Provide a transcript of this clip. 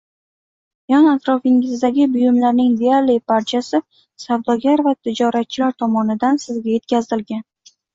Yon-atrofingizdagi buyumlarning deyarli barchasi savdogar va tijoratchilar tomonidan sizga yetkazilgan.